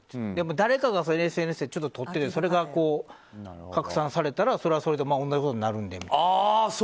誰かがＳＮＳでちょっと撮っててそれが拡散されたらそれはそれで同じことになるんでみたいな。